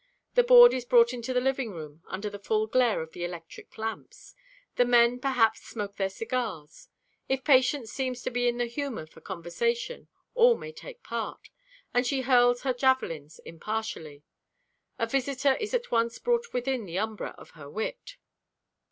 The board is brought into the living room under the full glare of the electric lamps. The men perhaps smoke their cigars. If Patience seems to be in the humor for conversation, all may take part, and she hurls her javelins impartially. A visitor is at once brought within the umbra of her wit.